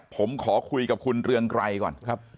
ผมขอคุยกับคุณเรืองไกรก่อนครับ